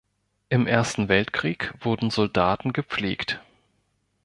Im Ersten Weltkrieg wurden Soldaten gepflegt.